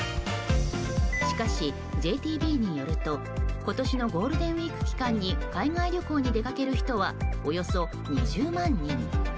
しかし、ＪＴＢによると今年のゴールデンウィーク期間に海外旅行に出かける人はおよそ２０万人。